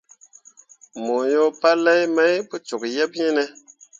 Mo yo palai mai pu cok yeb iŋ ne.